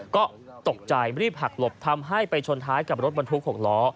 ก็ตกใจรีบหักหลบทำให้ไปชนท้ายกับรถบรรทุก๖ล้อ